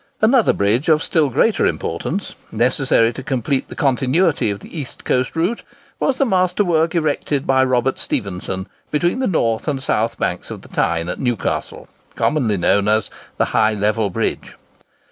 Another bridge, of still greater importance, necessary to complete the continuity of the East Coast route, was the masterwork erected by Robert Stephenson between the north and south banks of the Tyne at Newcastle, commonly known as the High Level Bridge.